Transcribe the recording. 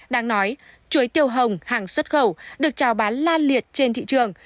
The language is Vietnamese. đáng nói chuối tiêu hồng hàng xuất khẩu được trào bán lan liệt trên thị trường